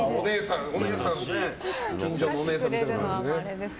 近所のお姉さんみたいな感じで。